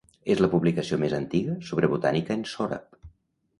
És la publicació més antiga sobre botànica en sòrab.